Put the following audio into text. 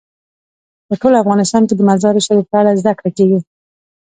په ټول افغانستان کې د مزارشریف په اړه زده کړه کېږي.